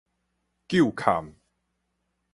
究勘